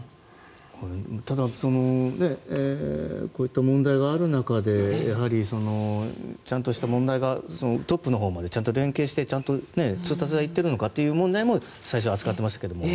ただこういった問題がある中でちゃんとした問題がトップのほうまで連携してちゃんと通達がいってるのかという問題も扱っていますけれども。